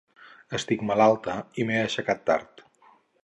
Estic malalta i m'he aixecat tard.